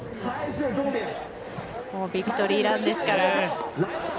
ビクトリーランですから。